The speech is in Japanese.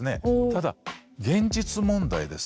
ただ現実問題ですね